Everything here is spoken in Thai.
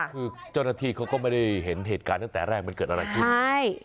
คือเจ้าหน้าที่เขาก็ไม่ได้เห็นเหตุการณ์ตั้งแต่แรกมันเกิดอะไรขึ้นใช่